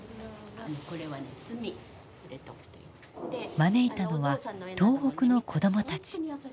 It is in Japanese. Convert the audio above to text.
招いたのは東北の子供たち。